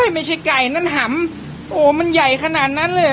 ไม่ใช่ไก่นั่นหำโอ้โหมันใหญ่ขนาดนั้นเลย